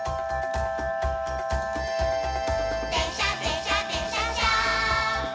「でんしゃでんしゃでんしゃっしゃ」